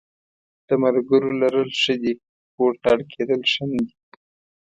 د ملګرو لرل ښه دي خو ورته اړ کېدل ښه نه دي.